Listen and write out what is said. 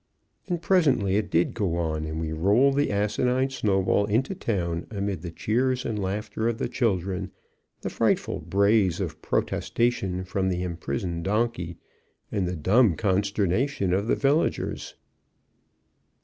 And presently it did go on, and we rolled the asinine snowball into town amid the cheers and laughter of the children, the frightful brays of protestation from the imprisoned donkey, and the dumb consternation of the villagers.